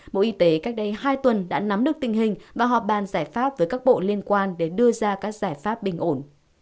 bộ y tế cách đây hai tuần đã nắm được tình hình và họp bàn giải pháp với các bộ liên quan để đưa ra các giải pháp bình ổn